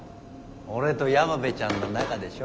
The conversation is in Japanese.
俺と山辺ちゃんの仲でしょ。